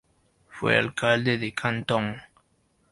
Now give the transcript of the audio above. Fue alcalde de Cantón.